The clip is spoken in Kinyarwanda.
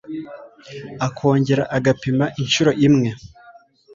akongera agapima incuro imwe